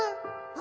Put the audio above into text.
「あ！」